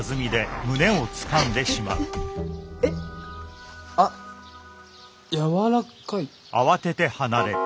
えっあっ柔らかい。